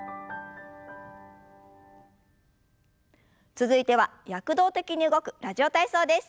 続いては躍動的に動く「ラジオ体操」です。